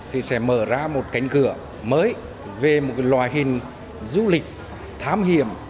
thì sẽ mở ra một cánh cửa mới về một loại hình du lịch thám hiểm